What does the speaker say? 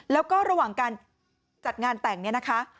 แล้วก็ระหว่างการจัดงานแต่งเนี่ยนะคะ